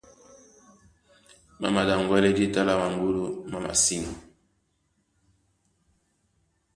Má maɗaŋgwɛ́lɛ́ jǐta lá maŋgúdú má masîn.